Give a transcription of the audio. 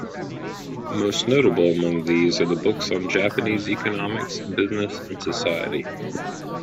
Most notable among these are the books on Japanese economics, business, and society.